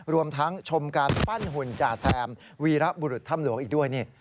รวมทั้งชมการปั้นหุ่นจ่าแซมวีระบุรุษถ้ำหลวงอีกด้วยนี่